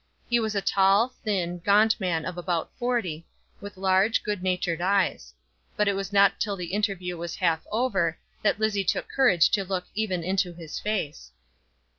He was a tall, thin, gaunt man of about forty, with large, good natured eyes; but it was not till the interview was half over that Lizzie took courage to look even into his face.